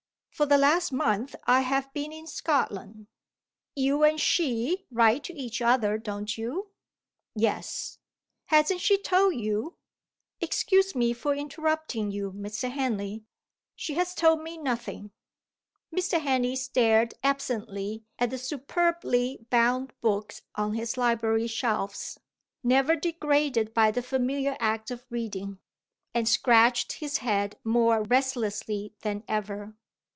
"For the last month I have been in Scotland." "You and she write to each other, don't you?" "Yes." "Hasn't she told you " "Excuse me for interrupting you, Mr. Henley; she has told me nothing." Mr. Henley stared absently at the superbly bound books on his library shelves (never degraded by the familiar act of reading), and scratched his head more restlessly than ever.